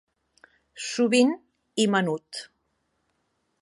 Sovint i menut.